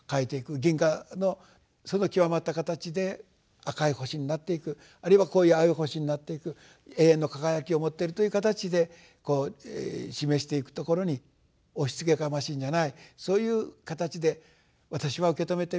銀河のその極まった形で赤い星になっていくあるいはこういう青い星になっていく永遠の輝きを持っているという形でこう示していくところに押しつけがましいんじゃないそういう形で私は受け止めていますと。